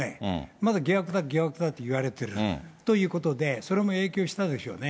まず疑惑だ、疑惑だと言われてる、ということで、それも影響したでしょうね。